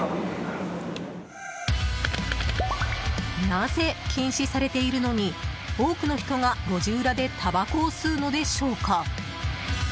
なぜ禁止されているのに多くの人が路地裏でたばこを吸うのでしょうか。